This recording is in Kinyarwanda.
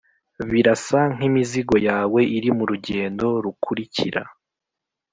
birasa nkimizigo yawe iri murugendo rukurikira.